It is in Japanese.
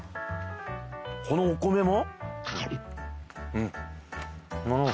このお米も？